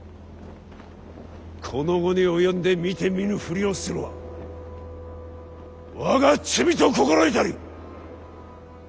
この期に及んで見て見ぬふりをするは我が罪と心得たり！